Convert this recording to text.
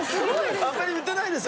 あんまり売ってないでしょ？